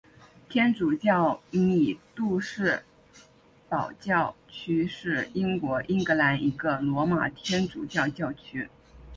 天主教米杜士堡教区是英国英格兰一个罗马天主教教区。